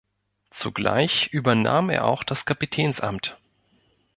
Zugleich übernahm er auch das Kapitänsamt.